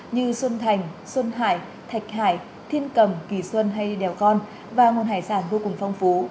như xuân thành xuân hải thạch hải thiên cầm kỳ xuân hay đèo con và nguồn hải sản vô cùng phong phú